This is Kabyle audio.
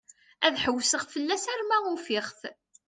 Ad ḥewseɣ fell-as arma ufiɣ-t.